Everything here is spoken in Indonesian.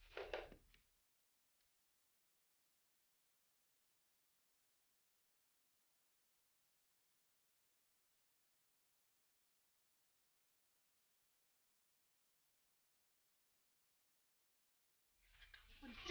jadi ya di sini sih